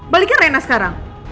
balikin rena sekarang